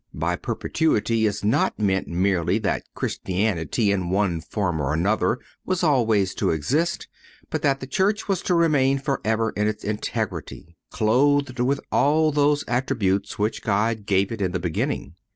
By perpetuity is not meant merely that Christianity in one form or another was always to exist, but that the Church was to remain forever in its integrity, clothed with all those attributes which God gave it in the beginning.